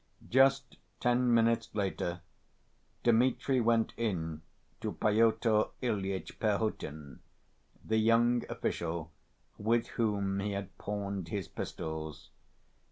Just ten minutes later Dmitri went in to Pyotr Ilyitch Perhotin, the young official with whom he had pawned his pistols.